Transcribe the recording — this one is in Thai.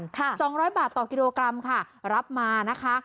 ราคาเดียวกันค่ะ๒๐๐บาทต่อกิโลกรัมค่ะรับมานะคะ